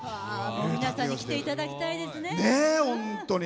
皆さんに来ていただきたいですね。